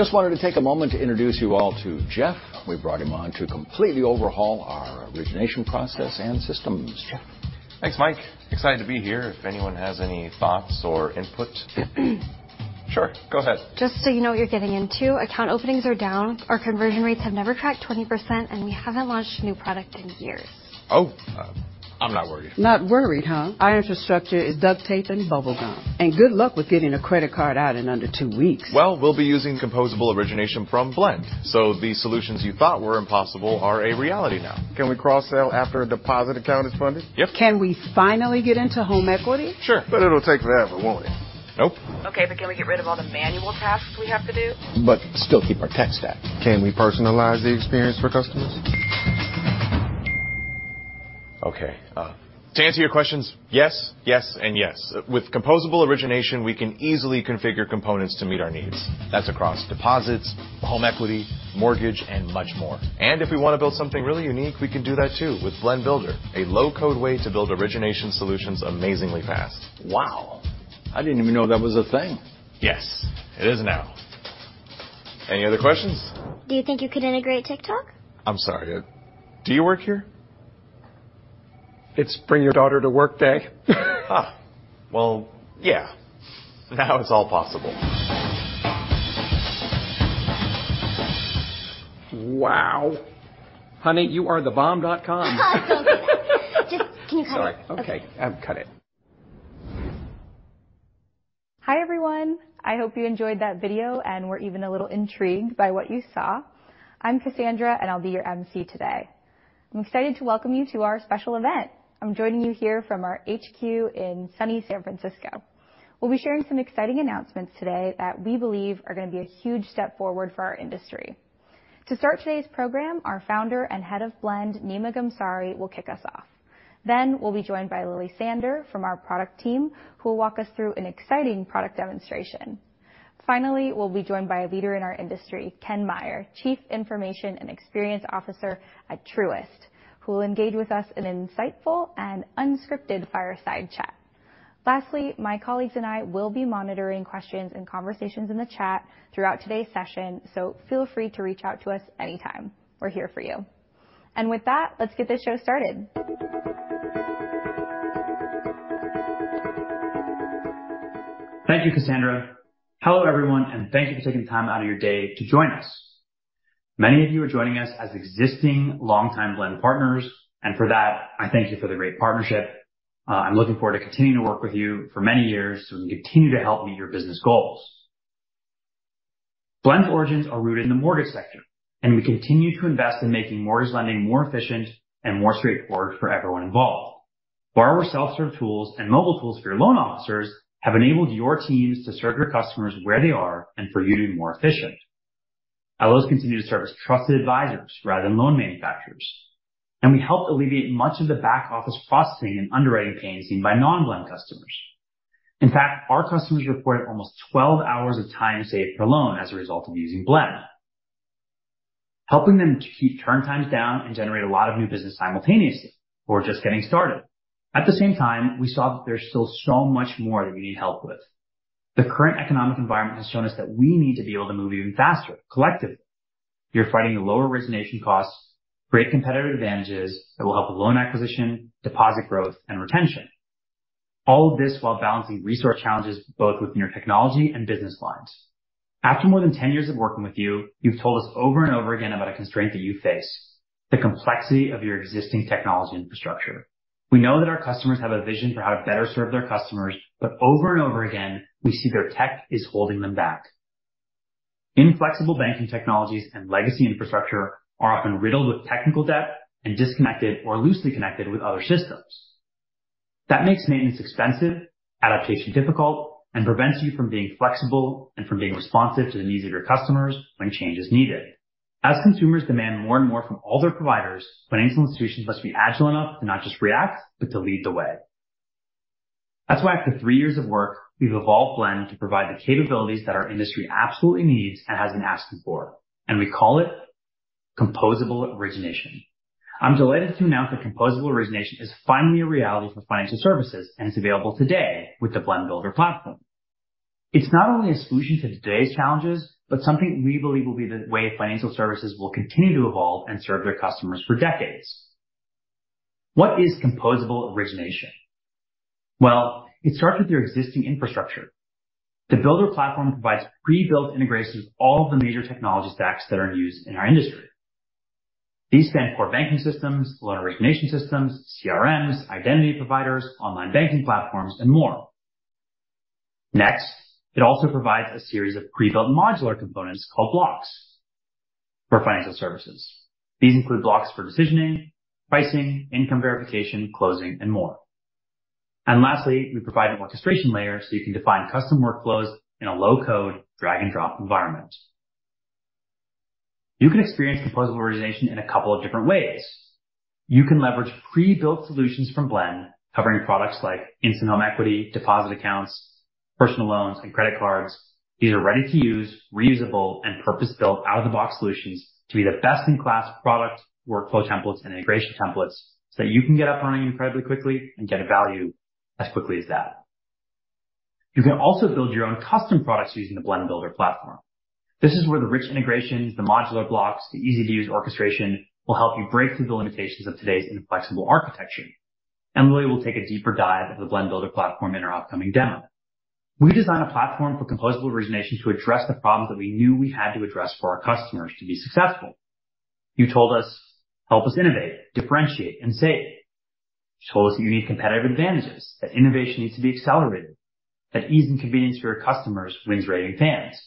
...Just wanted to take a moment to introduce you all to Jeff. We brought him on to completely overhaul our origination process and systems. Jeff? Thanks, Mike. Excited to be here. If anyone has any thoughts or input. Sure, go ahead. Just so you know what you're getting into, account openings are down, our conversion rates have never cracked 20%, and we haven't launched a new product in years. Oh, I'm not worried. Not worried, huh? Our infrastructure is duct tape and bubble gum, and good luck with getting a credit card out in under two weeks. We'll be using Composable Origination from Blend, so the solutions you thought were impossible are a reality now. Can we cross-sell after a deposit account is funded? Yep. Can we finally get into home equity? Sure. But it'll take forever, won't it? Nope. Okay, but can we get rid of all the manual tasks we have to do? But still keep our tech stack. Can we personalize the experience for customers? Okay, to answer your questions, yes, yes, and yes. With Composable Origination, we can easily configure components to meet our needs. That's across deposits, home equity, mortgage, and much more. And if we want to build something really unique, we can do that too with Blend Builder, a low-code way to build origination solutions amazingly fast. Wow! I didn't even know that was a thing. Yes, it is now. Any other questions? Do you think you could integrate TikTok? I'm sorry, do you work here? It's Bring Your Daughter to Work Day. Ah, well, yeah. Now it's all possible. Wow! Honey, you are the bomb dot com. Don't get... Just, can you cut it? Sorry. Okay, cut it. Hi, everyone. I hope you enjoyed that video and were even a little intrigued by what you saw. I'm Cassandra, and I'll be your emcee today. I'm excited to welcome you to our special event. I'm joining you here from our HQ in sunny San Francisco. We'll be sharing some exciting announcements today that we believe are going to be a huge step forward for our industry. To start today's program, our founder and head of Blend, Nima Ghamsari, will kick us off. Then we'll be joined by Lili Sander from our product team, who will walk us through an exciting product demonstration. Finally, we'll be joined by a leader in our industry, Ken Meyer, Chief Information and Experience Officer at Truist, who will engage with us in an insightful and unscripted fireside chat. Lastly, my colleagues and I will be monitoring questions and conversations in the chat throughout today's session, so feel free to reach out to us anytime. We're here for you. And with that, let's get this show started. Thank you, Cassandra. Hello, everyone, and thank you for taking time out of your day to join us. Many of you are joining us as existing longtime Blend partners, and for that, I thank you for the great partnership. I'm looking forward to continuing to work with you for many years, so we continue to help meet your business goals. Blend's origins are rooted in the mortgage sector, and we continue to invest in making mortgage lending more efficient and more straightforward for everyone involved. Borrower self-serve tools and mobile tools for your loan officers have enabled your teams to serve your customers where they are and for you to be more efficient. LOs continue to serve as trusted advisors rather than loan manufacturers, and we helped alleviate much of the back-office processing and underwriting pain seen by non-Blend customers. In fact, our customers reported almost 12 hours of time saved per loan as a result of using Blend, helping them to keep turn times down and generate a lot of new business simultaneously. We're just getting started. At the same time, we saw that there's still so much more that we need help with. The current economic environment has shown us that we need to be able to move even faster. Collectively, you're fighting to lower origination costs, create competitive advantages that will help with loan acquisition, deposit growth, and retention. All of this while balancing resource challenges both within your technology and business lines. After more than 10 years of working with you, you've told us over and over again about a constraint that you face, the complexity of your existing technology infrastructure. We know that our customers have a vision for how to better serve their customers, but over and over again, we see their tech is holding them back. Inflexible banking technologies and legacy infrastructure are often riddled with technical debt and disconnected or loosely connected with other systems. That makes maintenance expensive, adaptation difficult, and prevents you from being flexible and from being responsive to the needs of your customers when change is needed. As consumers demand more and more from all their providers, financial institutions must be agile enough to not just react, but to lead the way. That's why, after three years of work, we've evolved Blend to provide the capabilities that our industry absolutely needs and has been asking for, and we call it Composable Origination. I'm delighted to announce that Composable Origination is finally a reality for financial services, and it's available today with the Blend Builder Platform. It's not only a solution to today's challenges, but something we believe will be the way financial services will continue to evolve and serve their customers for decades. What is Composable Origination? Well, it starts with your existing infrastructure. The Builder Platform provides prebuilt integrations with all of the major technology stacks that are in use in our industry. These span core banking systems, loan origination systems, CRMs, identity providers, online banking platforms, and more. Next, it also provides a series of prebuilt modular components called blocks for financial services. These include blocks for decisioning, pricing, income verification, closing, and more. And lastly, we provide an orchestration layer so you can define custom workflows in a low-code, drag-and-drop environment. You can experience Composable Origination in a couple of different ways. You can leverage prebuilt solutions from Blend, covering products like instant home equity, deposit accounts, personal loans, and credit cards. These are ready-to-use, reusable, and purpose-built out-of-the-box solutions to be the best-in-class product workflow templates and integration templates, so that you can get up and running incredibly quickly and get a value as quickly as that. You can also build your own custom products using the Blend Builder platform. This is where the rich integrations, the modular blocks, the easy-to-use orchestration will help you break through the limitations of today's inflexible architecture, and Lili will take a deeper dive into the Blend Builder platform in our upcoming demo. We designed a platform for Composable Origination to address the problems that we knew we had to address for our customers to be successful. You told us, "Help us innovate, differentiate, and save." You told us that you need competitive advantages, that innovation needs to be accelerated, that ease and convenience for your customers wins raving fans.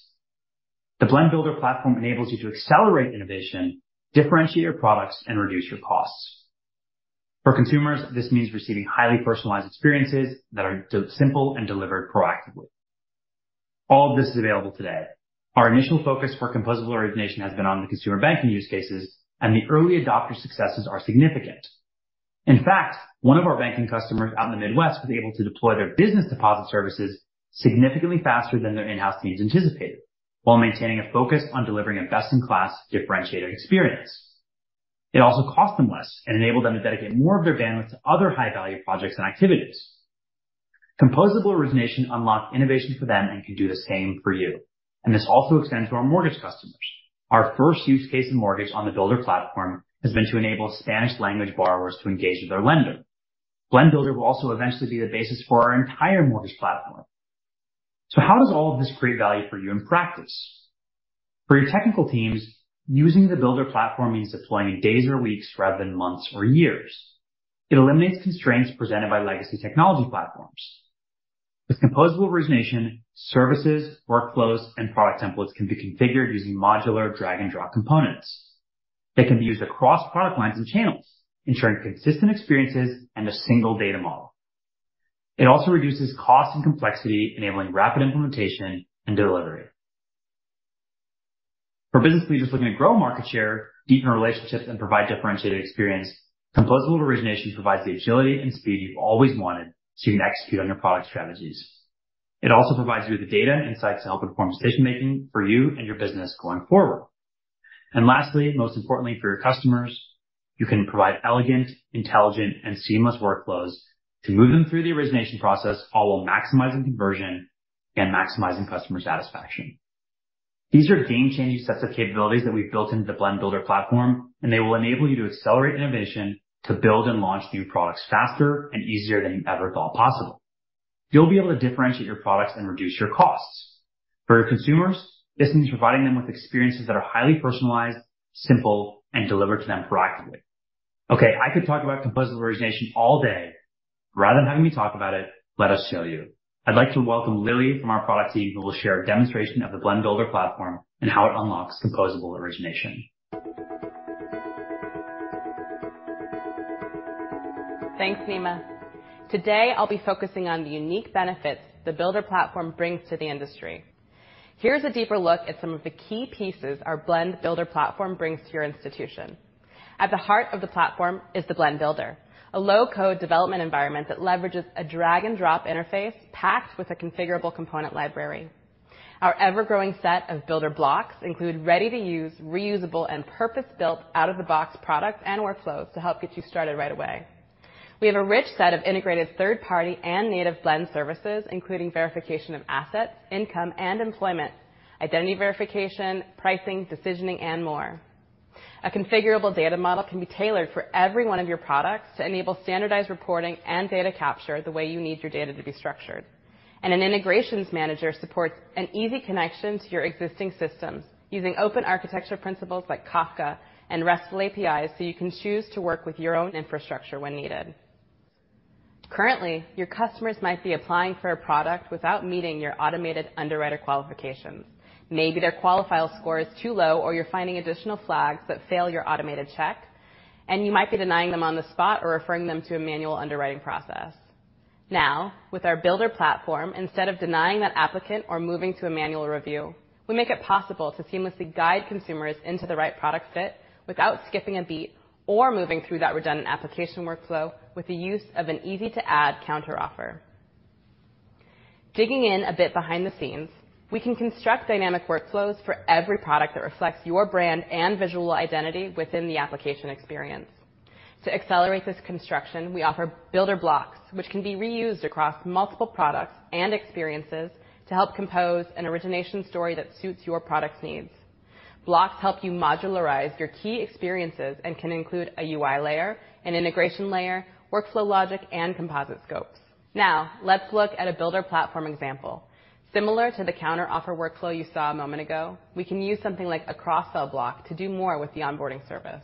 The Blend Builder platform enables you to accelerate innovation, differentiate your products, and reduce your costs. For consumers, this means receiving highly personalized experiences that are simple and delivered proactively. All of this is available today. Our initial focus for Composable Origination has been on the consumer banking use cases, and the early adopter successes are significant. In fact, one of our banking customers out in the Midwest was able to deploy their business deposit services significantly faster than their in-house teams anticipated, while maintaining a focus on delivering a best-in-class, differentiated experience. It also cost them less and enabled them to dedicate more of their bandwidth to other high-value projects and activities. Composable Origination unlocks innovation for them and can do the same for you, and this also extends to our mortgage customers. Our first use case in mortgage on the Builder platform has been to enable Spanish language borrowers to engage with their lender. Blend Builder will also eventually be the basis for our entire mortgage platform. So how does all of this create value for you in practice? For your technical teams, using the Builder platform means deploying in days or weeks rather than months or years. It eliminates constraints presented by legacy technology platforms. With Composable Origination, services, workflows, and product templates can be configured using modular drag-and-drop components that can be used across product lines and channels, ensuring consistent experiences and a single data model. It also reduces cost and complexity, enabling rapid implementation and delivery. For business leaders looking to grow market share, deepen relationships, and provide differentiated experience, Composable Origination provides the agility and speed you've always wanted so you can execute on your product strategies. It also provides you with the data and insights to help inform decision-making for you and your business going forward. And lastly, most importantly, for your customers, you can provide elegant, intelligent, and seamless workflows to move them through the origination process, all while maximizing conversion and maximizing customer satisfaction. These are game-changing sets of capabilities that we've built into the Blend Builder platform, and they will enable you to accelerate innovation to build and launch new products faster and easier than you ever thought possible. You'll be able to differentiate your products and reduce your costs. For your consumers, this means providing them with experiences that are highly personalized, simple, and delivered to them proactively. Okay, I could talk about Composable Origination all day. Rather than having me talk about it, let us show you. I'd like to welcome Lili from our product team, who will share a demonstration of the Blend Builder platform and how it unlocks Composable Origination. Thanks, Nima. Today, I'll be focusing on the unique benefits the Builder platform brings to the industry. Here's a deeper look at some of the key pieces our Blend Builder platform brings to your institution. At the heart of the platform is the Blend Builder, a low-code development environment that leverages a drag-and-drop interface packed with a configurable component library. Our ever-growing set of builder blocks include ready-to-use, reusable, and purpose-built out-of-the-box products and workflows to help get you started right away. We have a rich set of integrated third-party and native Blend services, including verification of assets, income and employment, identity verification, pricing, decisioning, and more. A configurable data model can be tailored for every one of your products to enable standardized reporting and data capture the way you need your data to be structured. And an integrations manager supports an easy connection to your existing systems using open architecture principles like Kafka and RESTful APIs, so you can choose to work with your own infrastructure when needed. Currently, your customers might be applying for a product without meeting your automated underwriter qualifications. Maybe their QualiFile score is too low, or you're finding additional flags that fail your automated check, and you might be denying them on the spot or referring them to a manual underwriting process. Now, with our Builder platform, instead of denying that applicant or moving to a manual review, we make it possible to seamlessly guide consumers into the right product fit without skipping a beat or moving through that redundant application workflow with the use of an easy-to-add counteroffer. Digging in a bit behind the scenes, we can construct dynamic workflows for every product that reflects your brand and visual identity within the application experience. To accelerate this construction, we offer builder blocks, which can be reused across multiple products and experiences to help compose an origination story that suits your product's needs. Blocks help you modularize your key experiences and can include a UI layer, an integration layer, workflow logic, and composite scopes. Now, let's look at a Builder platform example. Similar to the counteroffer workflow you saw a moment ago, we can use something like a cross-sell block to do more with the onboarding service.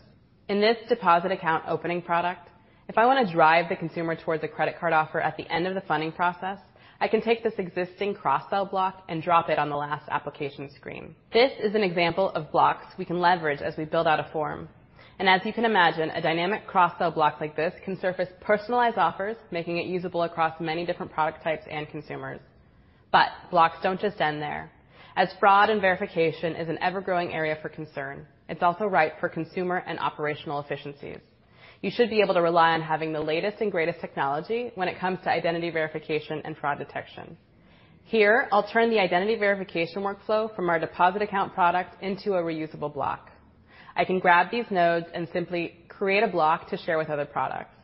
In this deposit account opening product, if I want to drive the consumer towards a credit card offer at the end of the funding process, I can take this existing cross-sell block and drop it on the last application screen. This is an example of blocks we can leverage as we build out a form. And as you can imagine, a dynamic cross-sell block like this can surface personalized offers, making it usable across many different product types and consumers. But blocks don't just end there. As fraud and verification is an ever-growing area for concern, it's also ripe for consumer and operational efficiencies. You should be able to rely on having the latest and greatest technology when it comes to identity verification and fraud detection.... Here, I'll turn the identity verification workflow from our deposit account product into a reusable block. I can grab these nodes and simply create a block to share with other products.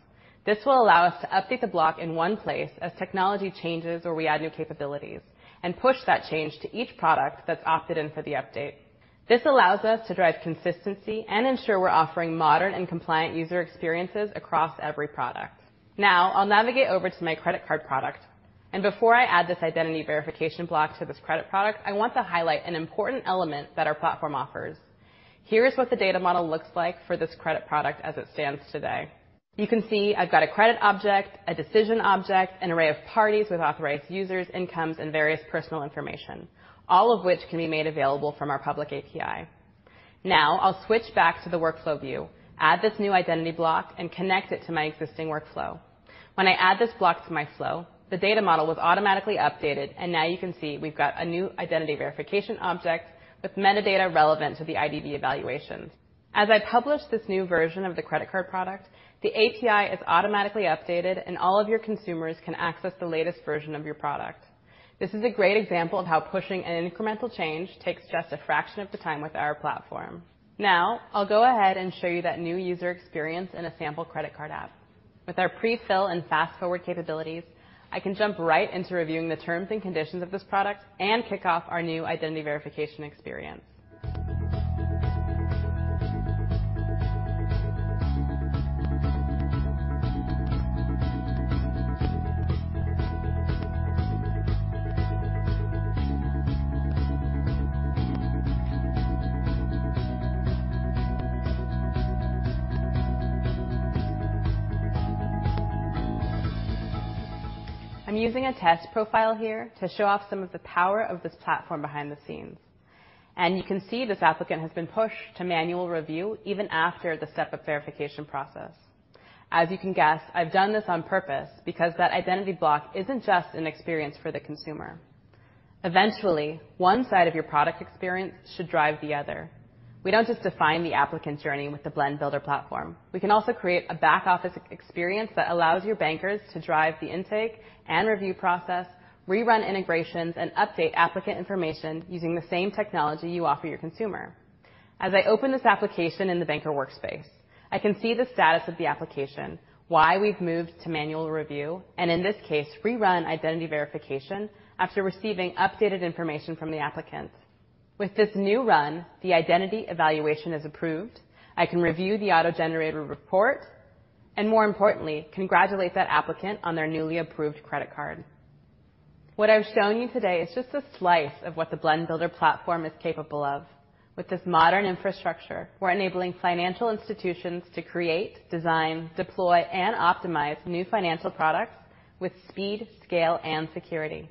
This will allow us to update the block in one place as technology changes or we add new capabilities, and push that change to each product that's opted in for the update. This allows us to drive consistency and ensure we're offering modern and compliant user experiences across every product. Now, I'll navigate over to my credit card product, and before I add this identity verification block to this credit product, I want to highlight an important element that our platform offers. Here's what the data model looks like for this credit product as it stands today. You can see I've got a credit object, a decision object, an array of parties with authorized users, incomes, and various personal information, all of which can be made available from our public API. Now, I'll switch back to the workflow view, add this new identity block and connect it to my existing workflow. When I add this block to my flow, the data model was automatically updated, and now you can see we've got a new identity verification object with metadata relevant to the IDB evaluations. As I publish this new version of the credit card product, the API is automatically updated and all of your consumers can access the latest version of your product. This is a great example of how pushing an incremental change takes just a fraction of the time with our platform. Now, I'll go ahead and show you that new user experience in a sample credit card app. With our pre-fill and fast-forward capabilities, I can jump right into reviewing the terms and conditions of this product and kick off our new identity verification experience. I'm using a test profile here to show off some of the power of this platform behind the scenes. And you can see this applicant has been pushed to manual review even after the step-up verification process. As you can guess, I've done this on purpose because that identity block isn't just an experience for the consumer. Eventually, one side of your product experience should drive the other. We don't just define the applicant's journey with the Blend Builder platform. We can also create a back office experience that allows your bankers to drive the intake and review process, rerun integrations, and update applicant information using the same technology you offer your consumer. As I open this application in the banker workspace, I can see the status of the application, why we've moved to manual review, and in this case, rerun identity verification after receiving updated information from the applicant. With this new run, the identity evaluation is approved. I can review the auto-generated report and, more importantly, congratulate that applicant on their newly approved credit card. What I've shown you today is just a slice of what the Blend Builder platform is capable of. With this modern infrastructure, we're enabling financial institutions to create, design, deploy, and optimize new financial products with speed, scale, and security.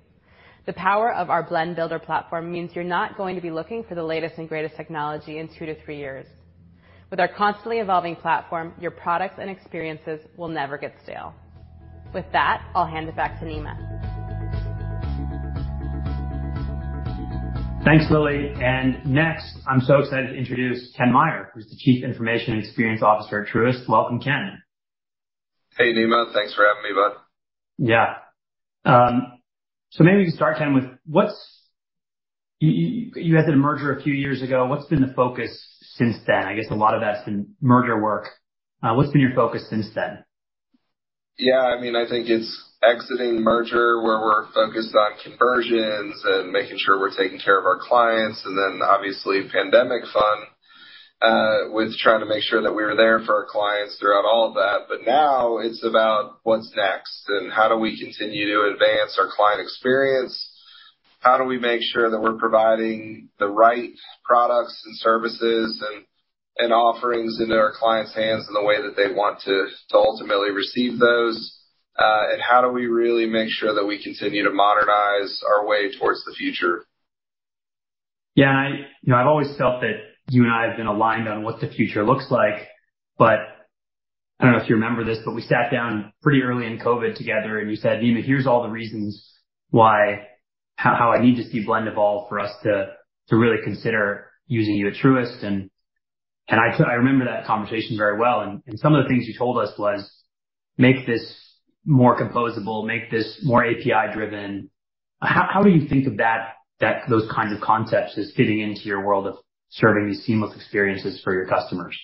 The power of our Blend Builder platform means you're not going to be looking for the latest and greatest technology in two to three years. With our constantly evolving platform, your products and experiences will never get stale. With that, I'll hand it back to Nima. Thanks, Lili Next, I'm so excited to introduce Ken Meyer, who's the Chief Information and Experience Officer at Truist. Welcome, Ken. Hey, Nima. Thanks for having me, bud. Yeah. So maybe we can start, Ken, with what's you had the merger a few years ago. What's been the focus since then? I guess a lot of that's been merger work. What's been your focus since then? Yeah, I mean, I think it's exiting the merger, where we're focused on conversions and making sure we're taking care of our clients, and then obviously pandemic fun, with trying to make sure that we were there for our clients throughout all of that. But now it's about what's next and how do we continue to advance our client experience? How do we make sure that we're providing the right products and services and, and offerings into our clients' hands in the way that they want to, to ultimately receive those? And how do we really make sure that we continue to modernize our way towards the future? Yeah. You know, I've always felt that you and I have been aligned on what the future looks like, but I don't know if you remember this, but we sat down pretty early in COVID together, and you said, "Nima, here's all the reasons why, how I need to see Blend evolve for us to really consider using you at Truist." And I remember that conversation very well, and some of the things you told us was, "Make this more composable, make this more API driven." How do you think of that those kinds of concepts as fitting into your world of serving these seamless experiences for your customers?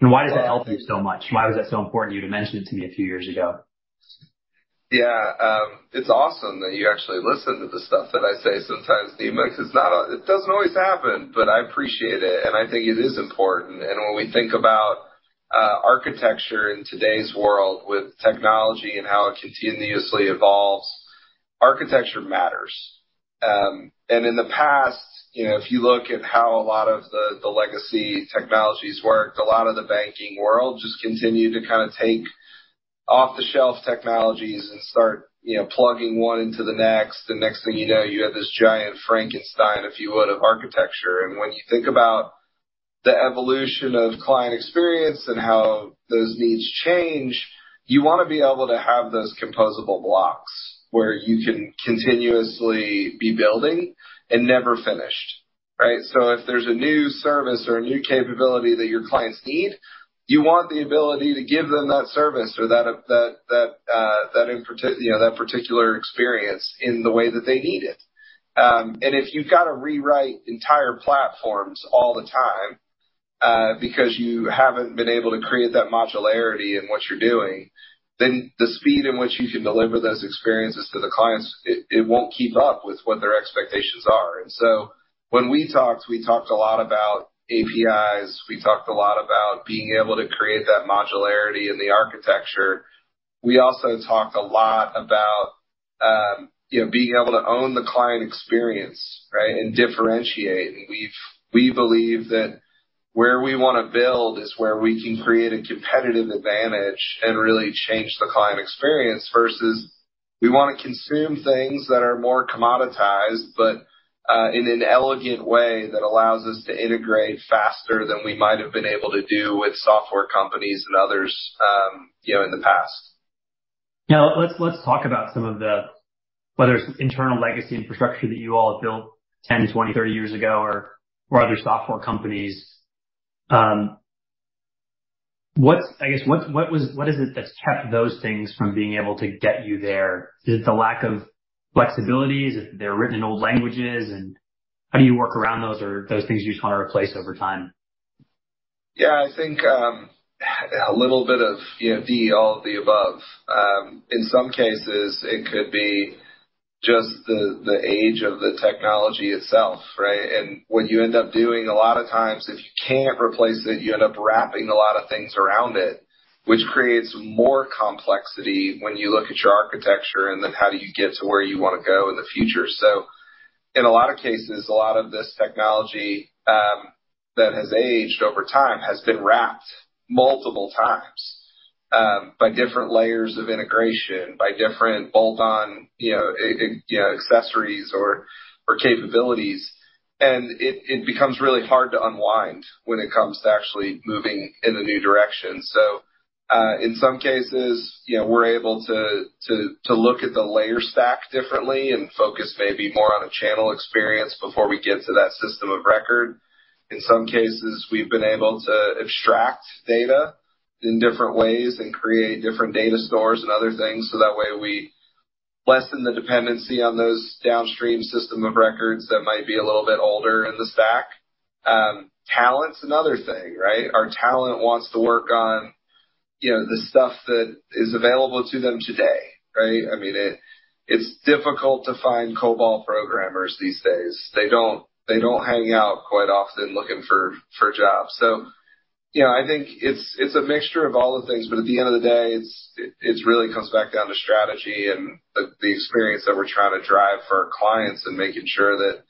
And why does that help you so much? Why was that so important for you to mention it to me a few years ago? Yeah, it's awesome that you actually listen to the stuff that I say sometimes, Nima. Because it doesn't always happen, but I appreciate it, and I think it is important. And when we think about architecture in today's world, with technology and how it continuously evolves, architecture matters. And in the past, you know, if you look at how a lot of the legacy technologies worked, a lot of the banking world just continued to kind of take off-the-shelf technologies and start, you know, plugging one into the next. The next thing you know, you have this giant Frankenstein, if you would, of architecture. And when you think about the evolution of client experience and how those needs change, you want to be able to have those composable blocks where you can continuously be building and never finished. Right? So if there's a new service or a new capability that your clients need, you want the ability to give them that service or that you know, that particular experience in the way that they need it. And if you've got to rewrite entire platforms all the time, because you haven't been able to create that modularity in what you're doing, then the speed in which you can deliver those experiences to the clients, it won't keep up with what their expectations are. And so when we talked, we talked a lot about APIs, we talked a lot about being able to create that modularity in the architecture. We also talked a lot about, you know, being able to own the client experience, right? And differentiate. And we believe that where we want to build is where we can create a competitive advantage and really change the client experience, versus we want to consume things that are more commoditized, but in an elegant way that allows us to integrate faster than we might have been able to do with software companies and others, you know, in the past. Now, let's talk about some of the... Whether it's internal legacy infrastructure that you all built ten, twenty, thirty years ago, or other software companies. What's, I guess, what is it that's kept those things from being able to get you there? Is it the lack of flexibilities? If they're written in old languages, and how do you work around those, or are those things you just want to replace over time? Yeah, I think a little bit of, you know, the all of the above. In some cases, it could be just the age of the technology itself, right? And what you end up doing a lot of times, if you can't replace it, you end up wrapping a lot of things around it, which creates more complexity when you look at your architecture and then how do you get to where you want to go in the future. So in a lot of cases, a lot of this technology that has aged over time has been wrapped multiple times by different layers of integration, by different bolt-on, you know, accessories or capabilities, and it becomes really hard to unwind when it comes to actually moving in a new direction. So, in some cases, you know, we're able to look at the layer stack differently and focus maybe more on a channel experience before we get to that system of record. In some cases, we've been able to extract data in different ways and create different data stores and other things, so that way we lessen the dependency on those downstream system of records that might be a little bit older in the stack. Talent's another thing, right? Our talent wants to work on, you know, the stuff that is available to them today, right? I mean, it's difficult to find COBOL programmers these days. They don't hang out quite often looking for jobs. So, you know, I think it's a mixture of all the things, but at the end of the day, it really comes back down to strategy and the experience that we're trying to drive for our clients and making sure that,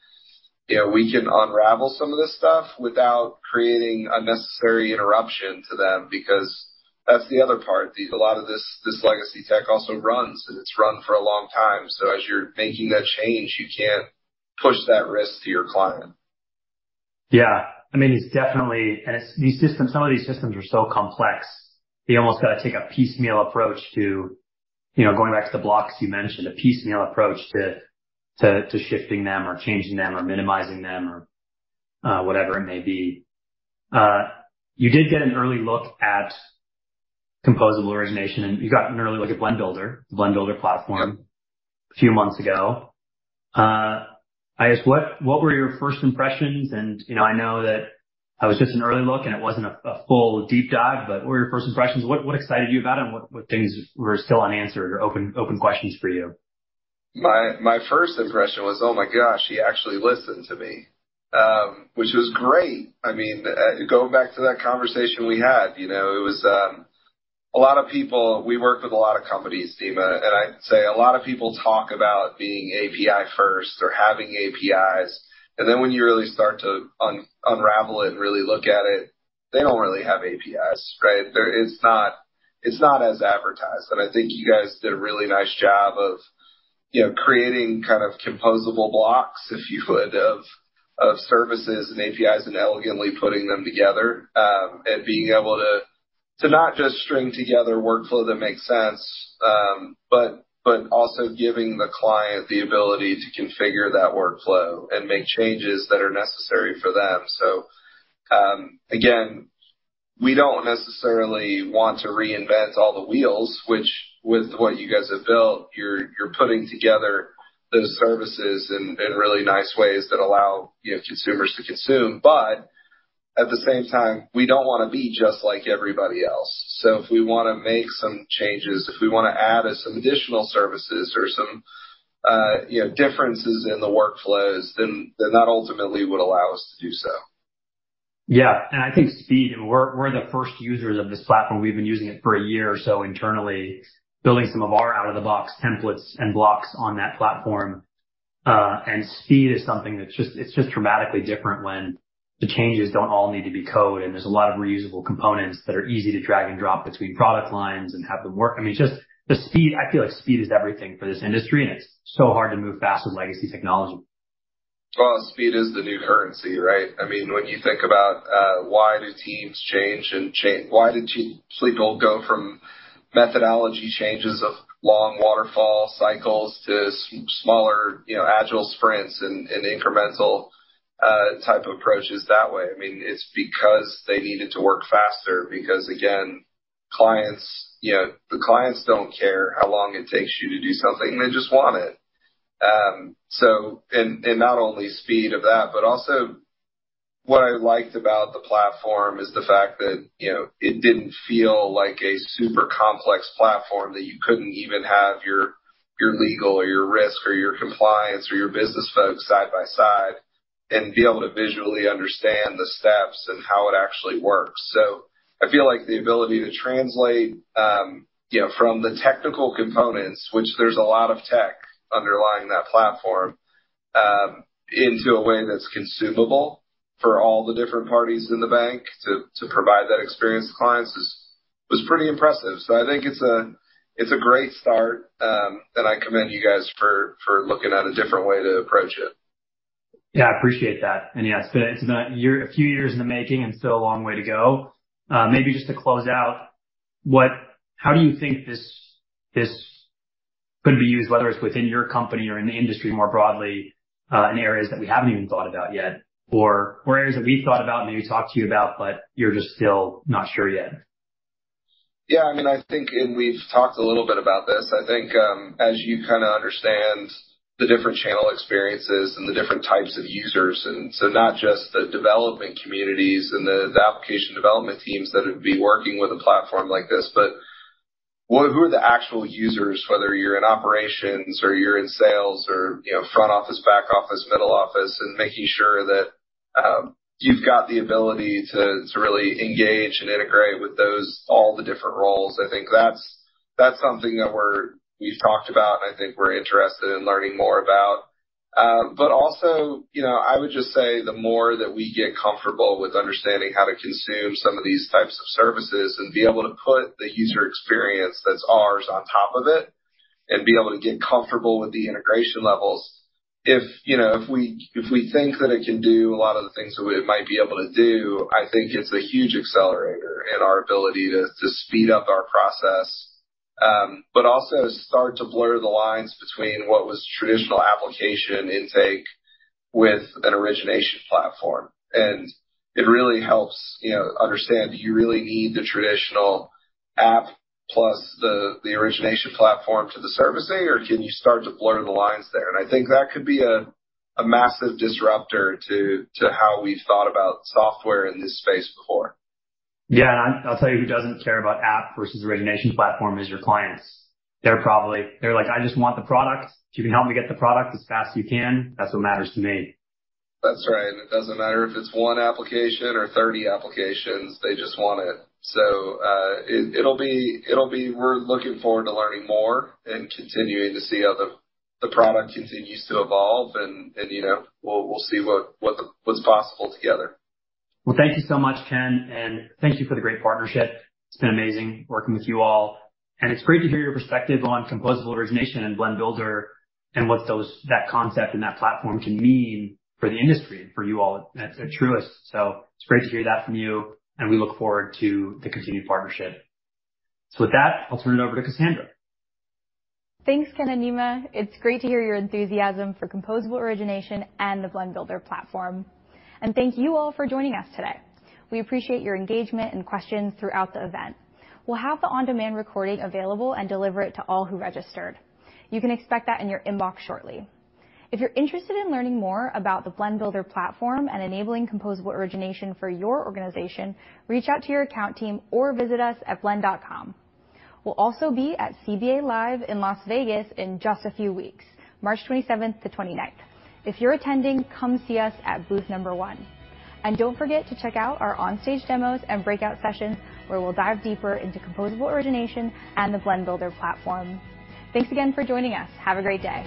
you know, we can unravel some of this stuff without creating unnecessary interruption to them, because that's the other part. A lot of this legacy tech also runs, and it's run for a long time. So as you're making that change, you can't push that risk to your client. Yeah. I mean, it's definitely. And these systems, some of these systems are so complex, you almost got to take a piecemeal approach to, you know, going back to the blocks you mentioned, a piecemeal approach to shifting them or changing them or minimizing them or, whatever it may be. You did get an early look at Composable Origination, and you got an early look at Blend Builder, the Blend Builder platform, a few months ago. I guess, what were your first impressions? And, you know, I know that it was just an early look, and it wasn't a full deep dive, but what were your first impressions? What excited you about it, and what things were still unanswered or open questions for you? My first impression was, "Oh, my gosh, you actually listened to me." Which was great. I mean, going back to that conversation we had, you know, it was a lot of people... We worked with a lot of companies, Nima, and I'd say a lot of people talk about being API first or having APIs, and then when you really start to unravel it and really look at it, they don't really have APIs, right? It's not, it's not as advertised, but I think you guys did a really nice job of, you know, creating kind of composable blocks, if you would, of services and APIs, and elegantly putting them together, and being able to, to not just string together workflow that makes sense, but, but also giving the client the ability to configure that workflow and make changes that are necessary for them. So, again, we don't necessarily want to reinvent all the wheels, which with what you guys have built, you're putting together those services in really nice ways that allow, you know, consumers to consume. But at the same time, we don't want to be just like everybody else. So if we want to make some changes, if we want to add some additional services or some, you know, differences in the workflows, then that ultimately would allow us to do so. Yeah, and I think speed, and we're the first users of this platform. We've been using it for a year or so internally, building some of our out-of-the-box templates and blocks on that platform. And speed is something that's just... It's just dramatically different when the changes don't all need to be code, and there's a lot of reusable components that are easy to drag and drop between product lines and have them work. I mean, just the speed. I feel like speed is everything for this industry, and it's so hard to move fast with legacy technology. Speed is the new currency, right? I mean, when you think about why do teams change. Why did Sleepy Gold go from methodology changes of long waterfall cycles to smaller, you know, agile sprints and incremental type approaches that way. I mean, it's because they needed to work faster because, again, clients, you know, the clients don't care how long it takes you to do something, they just want it. And not only speed of that, but also what I liked about the platform is the fact that, you know, it didn't feel like a super complex platform that you couldn't even have your legal or your risk or your compliance or your business folks side by side and be able to visually understand the steps and how it actually works. So I feel like the ability to translate, you know, from the technical components, which there's a lot of tech underlying that platform, into a way that's consumable for all the different parties in the bank to provide that experience to clients is, was pretty impressive. So I think it's a great start, and I commend you guys for looking at a different way to approach it. Yeah, I appreciate that. And yes, it's been a year... A few years in the making and still a long way to go. Maybe just to close out, what- how do you think this, this could be used, whether it's within your company or in the industry, more broadly, in areas that we haven't even thought about yet, or, or areas that we've thought about, maybe talked to you about, but you're just still not sure yet? Yeah, I mean, I think, and we've talked a little bit about this. I think, as you kind of understand the different channel experiences and the different types of users, and so not just the development communities and the application development teams that would be working with a platform like this, but who are the actual users, whether you're in operations or you're in sales or, you know, front office, back office, middle office, and making sure that, you've got the ability to really engage and integrate with those, all the different roles. I think that's something that we've talked about, and I think we're interested in learning more about. But also, you know, I would just say the more that we get comfortable with understanding how to consume some of these types of services and be able to put the user experience that's ours on top of it, and be able to get comfortable with the integration levels, if you know, if we think that it can do a lot of the things that it might be able to do, I think it's a huge accelerator in our ability to speed up our process but also start to blur the lines between what was traditional application intake with an origination platform, and it really helps, you know, understand, do you really need the traditional app plus the origination platform to the servicing, or can you start to blur the lines there? And I think that could be a massive disruptor to how we've thought about software in this space before. Yeah, and I'll tell you, who doesn't care about app versus origination platform is your clients. They're probably... They're like, "I just want the product. If you can help me get the product as fast as you can, that's what matters to me. That's right. It doesn't matter if it's one application or thirty applications, they just want it. So, it'll be... We're looking forward to learning more and continuing to see how the product continues to evolve and, you know, we'll see what's possible together. Thank you so much, Ken, and thank you for the great partnership. It's been amazing working with you all, and it's great to hear your perspective on Composable Origination and Blend Builder and what those, that concept and that platform can mean for the industry and for you all at, at Truist. It's great to hear that from you, and we look forward to the continued partnership. With that, I'll turn it over to Cassandra. Thanks, Ken and Nima. It's great to hear your enthusiasm for Composable Origination and the Blend Builder platform. And thank you all for joining us today. We appreciate your engagement and questions throughout the event. We'll have the on-demand recording available and deliver it to all who registered. You can expect that in your inbox shortly. If you're interested in learning more about the Blend Builder platform and enabling Composable Origination for your organization, reach out to your account team or visit us at blend.com. We'll also be at CBA Live in Las Vegas in just a few weeks, March 27th to 29th. If you're attending, come see us at booth number one. And don't forget to check out our on stage demos and breakout sessions, where we'll dive deeper into Composable Origination and the Blend Builder platform. Thanks again for joining us. Have a great day.